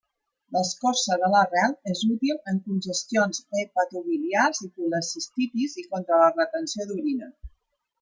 L'escorça de l'arrel és útil en congestions hepatobiliars i colecistitis i contra la retenció d'orina.